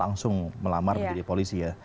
langsung melamar menjadi polisi ya